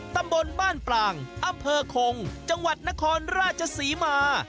ตำบลบ้านปลางอำเภอคงจังหวัดนครราชศรีมา